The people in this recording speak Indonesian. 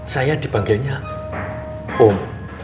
saya dipanggilnya om